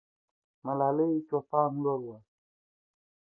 ملالۍ د چوپان لور وه.